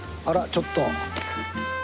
ちょっと。